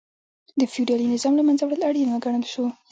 د فیوډالي نظام له منځه وړل اړین وګڼل شو.